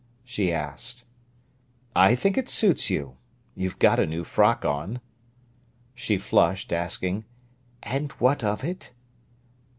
she asked. "I think it suits you. You've got a new frock on." She flushed, asking: "And what of it?"